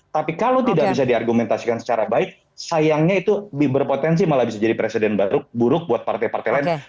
tapi kalau tidak bisa diargumentasikan secara baik sayangnya itu berpotensi malah bisa jadi presiden buruk buat partai partai lain